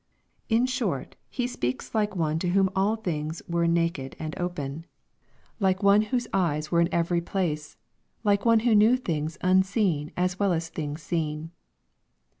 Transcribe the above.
In short, He speaks like one to whom all things wero 308 EXPOSITORY THOUGHTR, naked and open, — like one whose eyes were in every place, — like one who knew things unseen as well as things seen.